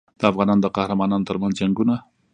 د افغانانو د قهرمانانو ترمنځ جنګونه.